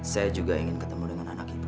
saya juga ingin ketemu dengan anak ini